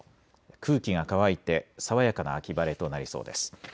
空気が乾いて爽やかな秋晴れとなりそうです。